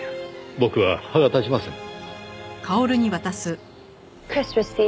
僕は歯が立ちません。